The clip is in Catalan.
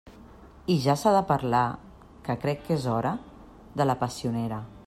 I ja s'ha de parlar —que crec que és hora— de la passionera.